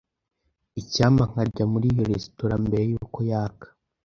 Icyampa nkarya muri iyo resitora mbere yuko yaka.